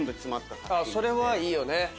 それはいいよね。